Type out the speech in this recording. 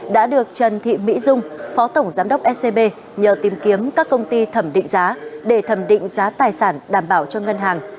đã được trần thị mỹ dung phó tổng giám đốc scb nhờ tìm kiếm các công ty thẩm định giá để thẩm định giá tài sản đảm bảo cho ngân hàng